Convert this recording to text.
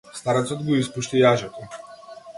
Старецот го испушти јажето.